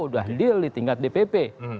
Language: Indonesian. sudah deal di tingkat dpp